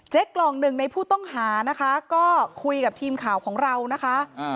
กล่องหนึ่งในผู้ต้องหานะคะก็คุยกับทีมข่าวของเรานะคะ